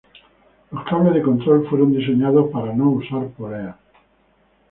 Los cables de control fueron diseñados para no usar poleas.